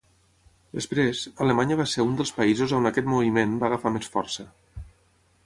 Després, Alemanya va ser un dels països on aquest moviment va agafar més força.